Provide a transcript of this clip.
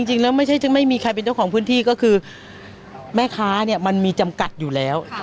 จริงแล้วไม่ใช่ไม่มีใครเป็นเจ้าของพื้นที่ก็คือแม่ค้าเนี่ยมันมีจำกัดอยู่แล้ว